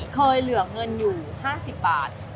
เคยเหลือเงินอยู่๕๐บาท